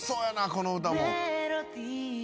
この歌も。